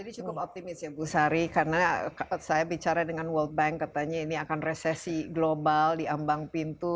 jadi cukup optimis ya bu sari karena saya bicara dengan world bank katanya ini akan resesi global diambang pintu